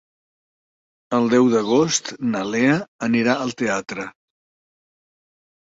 El deu d'agost na Lea anirà al teatre.